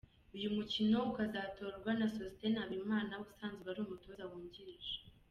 Uyu mukino ukazatorwa na Sostene Habimana usanzwe ari umutoza wungirije.